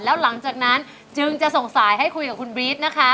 แล้วหลังจากนั้นจึงจะส่งสายให้คุยกับคุณบรี๊ดนะคะ